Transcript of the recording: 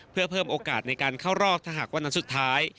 เพื่อเพิ่มโอกาสในการเข้ารอบถ้าหากวันนั้นสุดท้าย